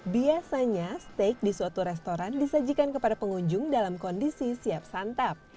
biasanya steak di suatu restoran disajikan kepada pengunjung dalam kondisi siap santap